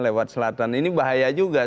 lewat selatan ini bahaya juga